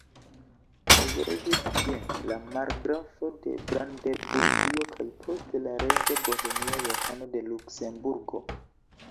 Prizorĝis ĝin la margrafo de Brandenburgio kaj poste la reĝo bohemia Johano de Luksemburgo.